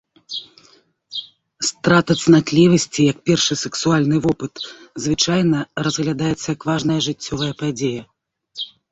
Страта цнатлівасці, як першы сексуальны вопыт, звычайна разглядаецца як важная жыццёвая падзея.